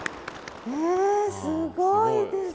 えすごいですね。